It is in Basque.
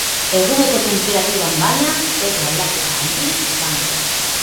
Eguneko tenperaturan, baina, ez da aldaketa handirik izango.